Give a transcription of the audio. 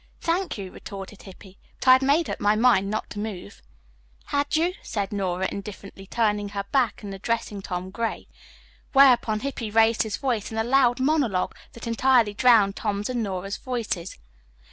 "Thank you," retorted Hippy. "But I had made up my mind not to move." "Had you?" said Nora indifferently, turning her back on Hippy and addressing Tom Gray. Whereupon Hippy raised his voice in a loud monologue that entirely drowned Tom's and Nora's voices.